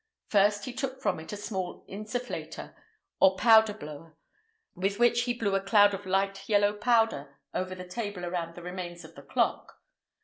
First he took from it a small insufflator, or powder blower, with which he blew a cloud of light yellow powder over the table around the remains of the clock.